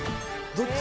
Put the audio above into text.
どっち？